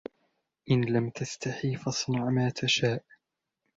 إن لم تستحي فاصنع ما تشاء.